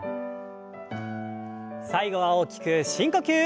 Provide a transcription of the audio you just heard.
最後は大きく深呼吸。